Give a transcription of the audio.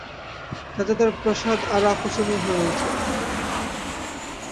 যাতে তার প্রাসাদ আরো আকর্ষণীয় হয়ে ওঠে।